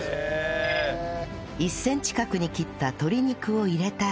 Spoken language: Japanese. １センチ角に切った鶏肉を入れたら